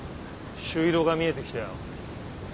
朱色が見えてきたよ。